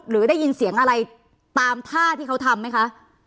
หรือได้ยินเสียงอะไรตามท่าที่เขาทำไหมคะ